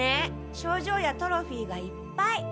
賞状やトロフィーがいっぱい。